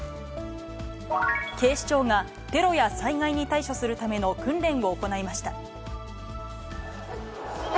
警視庁が、テロや災害に対処するための訓練を行いました。